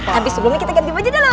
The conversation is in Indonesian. tapi sebelumnya kita ganti baju dulu